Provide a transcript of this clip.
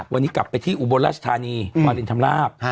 วันนี้กลับไปที่อุบลราชธานีวารินชำราบ